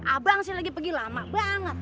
abang saya lagi pergi lama banget